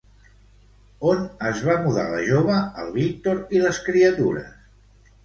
On es va mudar la jove, el Víctor i les criatures?